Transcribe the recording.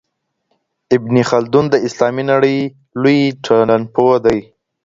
ابن خلدون د اسلامي نړۍ لوی ټولنپوه دی.